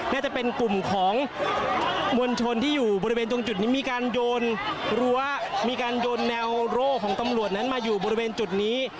น่าจะเป็นกลุ่มของมวลชนที่อยู่บริเวณตรงจุดนี้มีการโยนรั้วมีการโยนแนวโร่ของตำรวจนั้นมาอยู่บริเวณจุดนี้